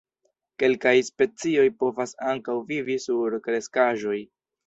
Kelkaj specioj povas ankaŭ vivi sur kreskaĵoj.